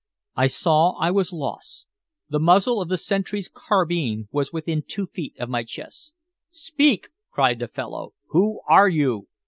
I saw I was lost. The muzzle of the sentry's carbine was within two feet of my chest. "Speak!" cried the fellow. "Who are you?"